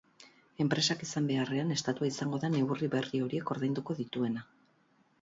Enpresak izan beharrean, estatua izango da neurri berri horiek ordainduko dituena.